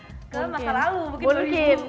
kalau masalah awu mungkin dua ribu dua puluh dua